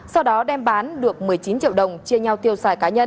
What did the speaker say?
sau đó đem bán được một mươi chín triệu đồng chia nhau tiêu xài cá nhân